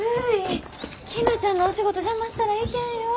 きぬちゃんのお仕事邪魔したらいけんよ。